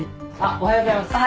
おはようございます。